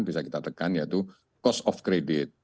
bisa kita tekan yaitu cost of credit